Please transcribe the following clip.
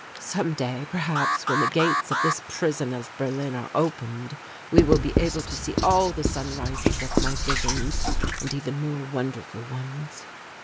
Some day, perhaps, when the gates of this prison of Berlin are opened, we will be able to see all the sunrises of my visions, and even more wonderful ones."